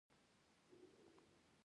د داخلي پروازونو له اتم نمبر ټرمینله.